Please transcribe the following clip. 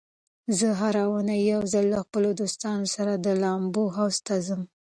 زه هره اونۍ یو ځل له خپلو دوستانو سره د لامبو حوض ته ځم.